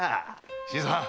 新さん！